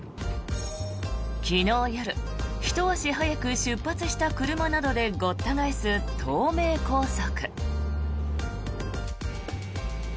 昨日夜ひと足早く出発した車などでごった返す東名高速。